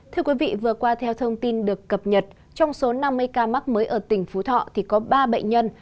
thưa quý vị vừa qua theo thông tin được cập nhật trong số năm mươi ca mắc mới ở tỉnh phú thọ thì có ba bệnh nhân